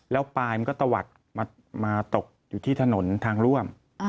แล้วปลายมันก็ตะวัดมาตกอยู่ที่ถนนทางร่วม